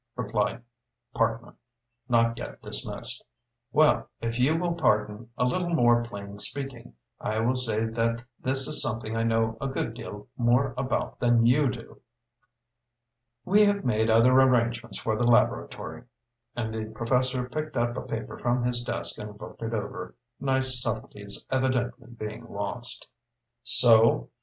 replied Parkman, not yet dismissed. "Well, if you will pardon a little more plain speaking, I will say that this is something I know a good deal more about than you do." "We have made other arrangements for the laboratory," and the professor picked up a paper from his desk and looked it over, nice subtilties evidently being lost. "So?